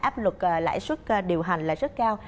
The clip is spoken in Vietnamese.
áp lực lãi xuất điều hành là rất cao